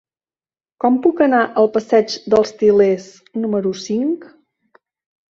Com puc anar al passeig dels Til·lers número cinc?